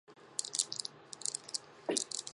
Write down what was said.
煮沸一锅水后保持温度。